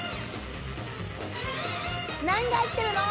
何が入ってるの？